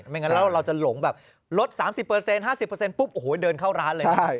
ไม่งั้นเราจะหลงแบบลด๓๐๕๐ปุ๊บเดินเข้าร้านเลย